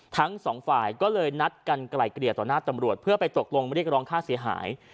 ทั้งสองฝ่ายก็เลยนัดกันไกลเกลี่ยต่อหน้าตำรวจเพื่อไปตกลงเรียกร้องค่าเสียหาย